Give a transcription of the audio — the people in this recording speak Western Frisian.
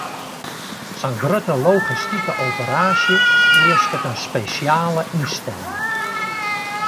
Sa'n grutte logistike operaasje easket in spesjale ynstelling.